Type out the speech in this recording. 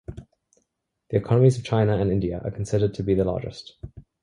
The economies of China and India are considered to be the largest.